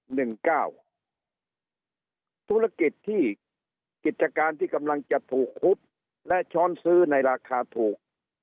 ธุรกิจที่กิจการที่กำลังจะถูกฮุบและช้อนซื้อในราคาถูก